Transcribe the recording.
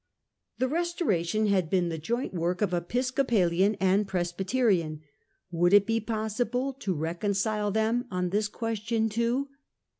' The Restoration had been the joint work of Episcopalian and Presbyterian ; would it be possible to reconcile them on this question too